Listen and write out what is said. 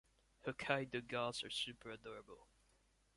Hokkaido Gals Are Super Adorable!